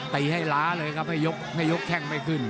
ตีให้ล้าเลยครับให้ยกให้ยกแข้งไม่ขึ้น